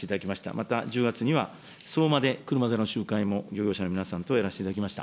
また、１０月には相馬で車座の集会も漁業者の皆さんとやらせていただきました。